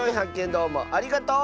どうもありがとう！